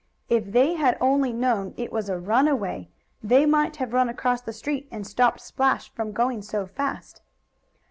If they had only known it was a runaway, they might have run across the street and stopped Splash from going so fast.